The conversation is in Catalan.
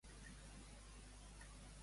Què ocorre amb una porta?